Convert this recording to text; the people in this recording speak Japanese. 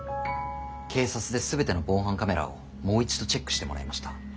警察で全ての防犯カメラをもう一度チェックしてもらいました。